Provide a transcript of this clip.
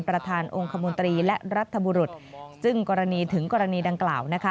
ประธานองค์คมนตรีและรัฐบุรุษซึ่งกรณีถึงกรณีดังกล่าวนะคะ